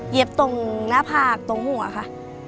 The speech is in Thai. ตรงหน้าผากตรงหัวค่ะ